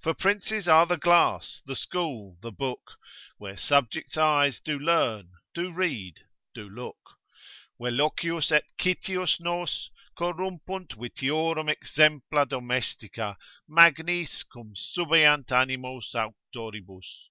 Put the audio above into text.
For Princes are the glass, the school, the book, Where subjects' eyes do learn, do read, do look. ———Velocius et citius nos Corrumpunt vitiorum exempla domestica, magnis Cum subeant animos auctoribus.